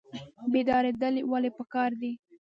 بیداریدل ولې پکار دي؟